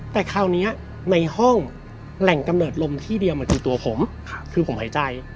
แต่คราวนี้ในห้องแหล่งกำเนิดลมที่เดียวมันคือตัวผมคือผมหายใจ